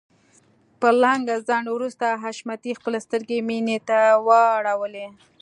له لږ ځنډ وروسته حشمتي خپلې سترګې مينې ته واړولې.